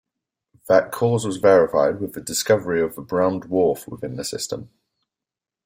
That cause was verified with the discovery of the brown dwarf within the system.